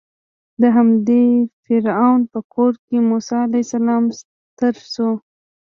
د همدې فرعون په کور کې موسی علیه السلام ستر شو.